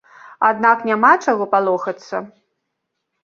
Аднак няма чаго палохацца.